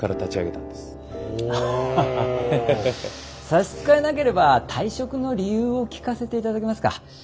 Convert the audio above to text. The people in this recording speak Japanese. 差し支えなければ退職の理由を聞かせていただけますか？